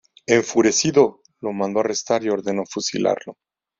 Enfurecido, lo mandó arrestar y ordenó fusilarlo.